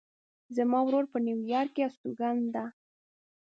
زما ورور په نیویارک کې استوګن ده